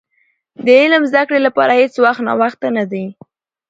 د علم زدي کړي لپاره هيڅ وخت ناوخته نه دي .